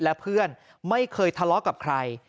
และเพื่อนไม่เคยทะเลาะกับใคร